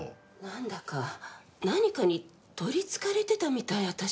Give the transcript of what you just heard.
なんだか何かに取り憑かれてたみたい私たち。